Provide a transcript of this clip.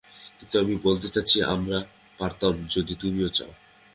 কিন্তু আমি বলতে চাচ্ছি, আমরা পারতাম যদি তুমিও চাও।